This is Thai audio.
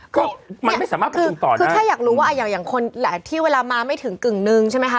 ก็มันไม่สามารถกระตุกต่อได้คือแค่อยากรู้ว่าอ่ะอย่างอย่างคนแหละที่เวลามาไม่ถึงกึ่งหนึ่งใช่ไหมคะ